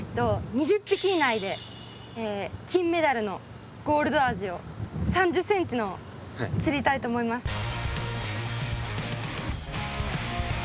２０匹以内で金メダルのゴールドアジを３０ｃｍの釣りたいと思います。